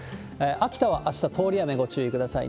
秋田はあした、通り雨ご注意ください。